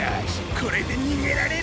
これでにげられる！